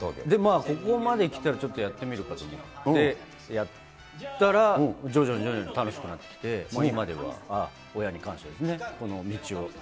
ここまできたらちょっとやってみるかと思って、やったら、徐々に徐々に楽しくなってきて、今では、親に感謝ですね。